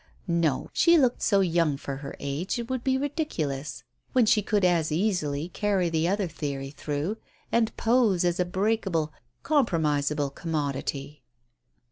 No, she looked so young for her age^ it would be ridiculous, when she could as easily carry the other theory through and pose as a breakable, compromisable commodity.